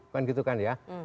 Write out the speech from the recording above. kan gitu kan ya